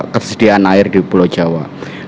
kesediaan air di pulau jawa